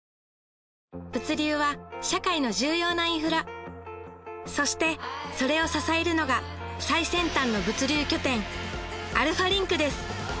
物流は社会の重要なインフラそしてそれを支えるのが最先端の物流拠点アルファリンクです